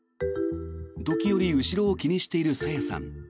時折、後ろを気にしている朝芽さん。